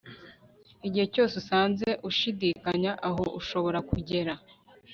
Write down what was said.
igihe cyose usanze ushidikanya aho ushobora kugera